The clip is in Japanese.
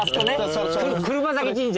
車折神社。